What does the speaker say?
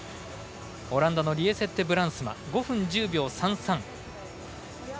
オランダのリエセッテ・ブランスマ５分１０秒３３。